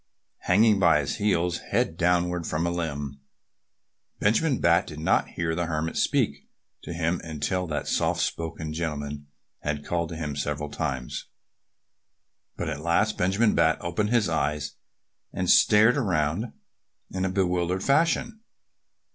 Hanging by his heels head downward from a limb, Benjamin Bat did not hear the Hermit speak to him until that soft spoken gentleman had called to him several times. But at last Benjamin Bat opened his eyes and stared around in a bewildered fashion.